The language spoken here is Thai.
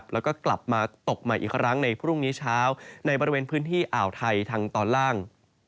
แล้วก็กลับมาตกใหม่อีกครั้งในพรุ่งนี้เช้าในบริเวณพื้นที่อ่าวไทยทางตอนล่าง